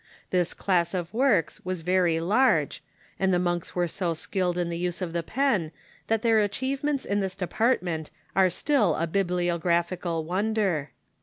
This class of works was very large, and the monks were so skilled in the use of the pen that their achievements in this department are still a bibliograph ical wonder.